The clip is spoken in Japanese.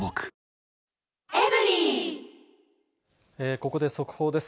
ここで速報です。